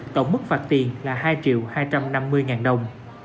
tổng mức phạt tiền là hai triệu hai trăm năm mươi ngàn đồng